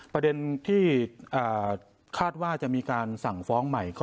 ประเด็นที่คาดว่าจะมีการสั่งฟ้องใหม่